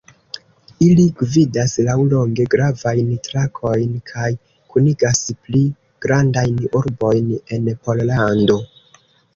Ili gvidas laŭlonge gravajn trakojn kaj kunigas pli grandajn urbojn en Pollando.